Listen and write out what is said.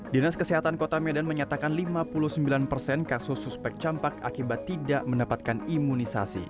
dinas kesehatan kota medan menyatakan lima puluh sembilan persen kasus suspek campak akibat tidak mendapatkan imunisasi